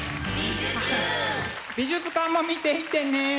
美術館も見ていってね！